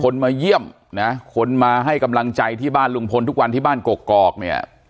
มาเยี่ยมนะคนมาให้กำลังใจที่บ้านลุงพลทุกวันที่บ้านกกอกเนี่ย